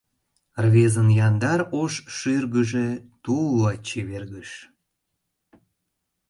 Рвезын яндар ош шӱргыжӧ тулла чевергыш.